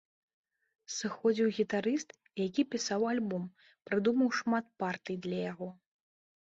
Сыходзіў гітарыст, які пісаў альбом, прыдумаў шмат партый для яго.